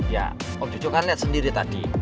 ya om jojo kan liat sendiri tadi